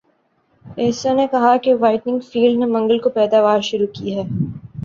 ایسو نے کہا کہ وائٹنگ فیلڈ نے منگل کو پیداوار شروع کی